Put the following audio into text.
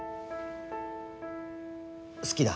好きだ。